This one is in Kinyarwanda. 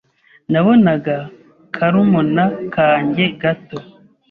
nabonaga karumuna kanjye gato